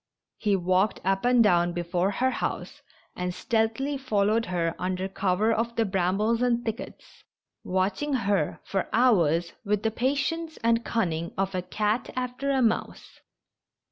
He walked up and down before her house, and stealthily fol lowed her under cover of the brambles and thickets, watching her for hours with the patience and the cun ning of a cat after a mouse.